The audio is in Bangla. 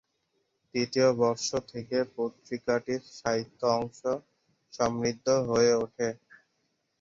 তৃতীয় বর্ষ থেকে পত্রিকাটির সাহিত্য অংশ সমৃদ্ধ হয়ে ওঠে।